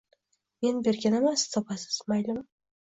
Men berkinaman siz topasiz, maylimi